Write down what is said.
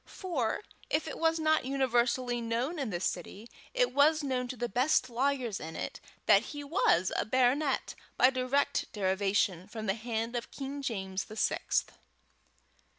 For, if it was not universally known in the city, it was known to the best lawyers in it, that he was a baronet by direct derivation from the hand of King James the Sixth.